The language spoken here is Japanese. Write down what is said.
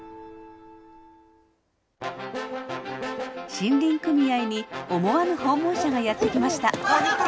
森林組合に思わぬ訪問者がやって来ました。